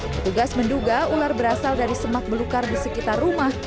petugas menduga ular berasal dari semak belukar di sekitar rumah